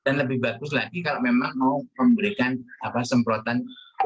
dan lebih bagus lagi kalau memang mau memberikan semprotan